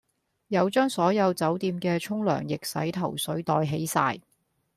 又將所有酒店既沖涼液洗頭水袋起哂